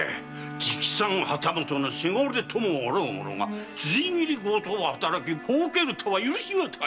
直参旗本の伜ともあろう者が辻斬り強盗を働き惚けるとは許し難い！